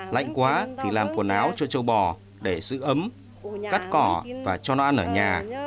lạnh quá thì làm quần áo cho châu bò để giữ ấm cắt cỏ và cho nó ăn ở nhà